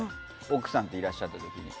奥さんといらっしゃった時に。